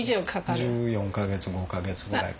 １４か月１５か月ぐらいかかる。